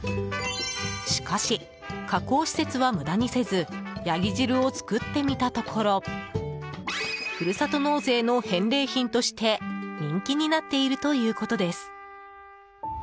しかし、加工施設は無駄にせずヤギ汁を作ってみたところふるさと納税の返礼品として人気になっているということです。